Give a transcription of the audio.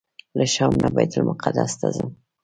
له شام نه بیت المقدس ته ځم.